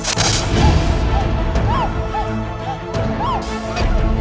tidak tuhan tidak tuhan